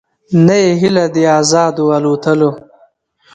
نه یې هیله د آزادو الوتلو